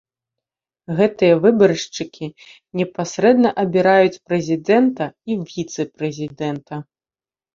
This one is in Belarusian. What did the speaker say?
Гэтыя выбаршчыкі непасрэдна абіраюць прэзідэнта і віцэ-прэзідэнта.